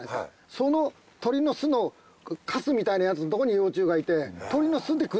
その鳥の巣のカスみたいなやつのとこに幼虫がいて。